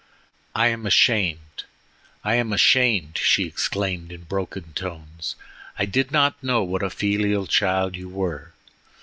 "I am ashamed! I am ashamed!" she exclaimed in broken tones. "I did not know what a filial child you were.